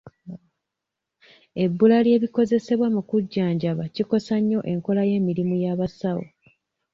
Ebbula ly'ebikozesebwa mu kujjanjaba kikosa nnyo enkola y'emirimu y'abasawo.